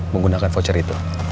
menggunakan voucher itu